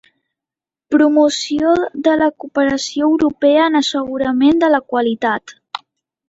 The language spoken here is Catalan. Promoció de la cooperació europea en assegurament de la qualitat